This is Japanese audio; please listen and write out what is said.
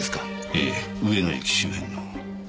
ええ上野駅周辺の。